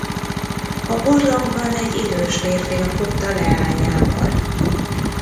A barlangban egy idős férfi lakott a leányával.